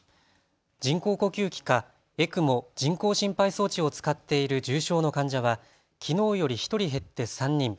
人工呼吸器かＥＣＭＯ・人工心肺装置を使っている重症の患者はきのうより１人減って３人。